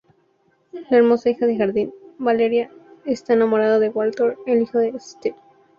La hermosa hija de Jardin, Valerie, está enamorada de Walter, el hijo de Spaeth.